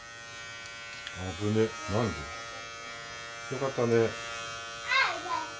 よかったね。